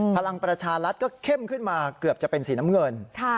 พลังประชารัฐก็เข้มขึ้นมาเกือบจะเป็นสีน้ำเงิน